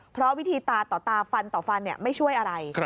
เพราะวิธีตาต่อตาฟันต่อฟันไม่ช่วยอะไร